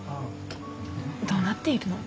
どうなっているの？